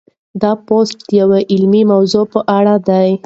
دا پوسټ د یوې علمي موضوع په اړه دی.